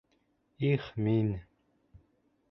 Их мин!